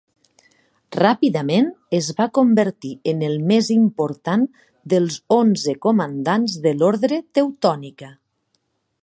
Ràpidament es va convertir en el més important dels onze comandants de l'Ordre Teutònica.